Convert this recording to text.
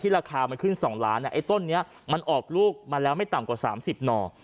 ราคามันขึ้น๒ล้านไอ้ต้นนี้มันออกลูกมาแล้วไม่ต่ำกว่า๓๐หน่อ